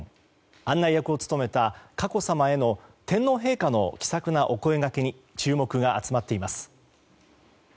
案内役を務めた佳子さまへの天皇陛下の気さくなお声がけに注目が集まっています。